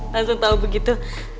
langsung tau begitu